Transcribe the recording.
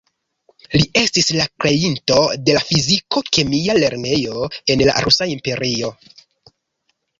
Li estis la kreinto de la fiziko-kemia lernejo en la Rusa Imperio.